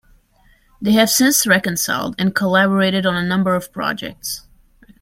They have since reconciled and collaborated on a number of projects.